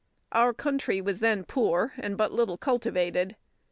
Our country was then poor and but little cultivated.